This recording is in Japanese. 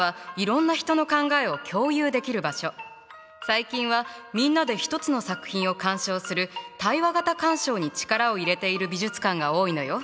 最近はみんなで一つの作品を鑑賞する「対話型鑑賞」に力を入れている美術館が多いのよ。